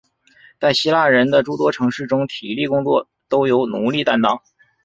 在希腊人的诸多城市中体力工作都由奴隶担任。